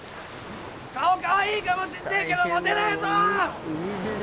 顔かわいいかもしんねえけどモテねえぞ！